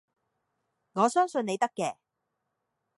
我相信你得嘅